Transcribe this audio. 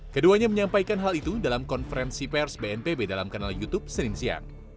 keduanya menyampaikan hal itu dalam konferensi pers bnpb dalam kanal youtube senin siang